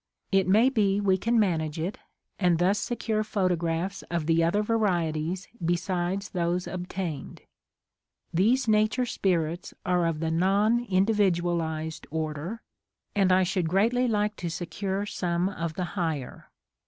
It may be we can manage it and thus secure photographs of the other varieties besides those obtained. I These nature spirits are of the non individu alized order and I should greatly like to se ■^ cure some of the higher.